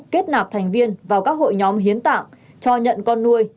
kết nạp thành viên vào các hội nhóm hiến tạng cho nhận con nuôi